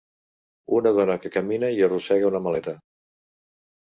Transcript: Una dona que camina i arrossega una maleta.